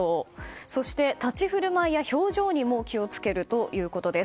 そして立ち振る舞いや表情にも気を付けるということです。